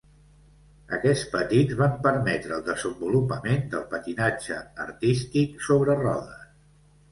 Aquests patins van permetre el desenvolupament del patinatge artístic sobre rodes.